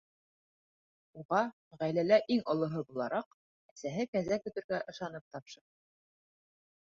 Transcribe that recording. Уға, ғаиләлә иң олоһо булараҡ, әсәһе кәзә көтөргә ышанып тапшырҙы.